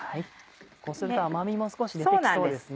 こうすると甘みも少し出て来そうですね。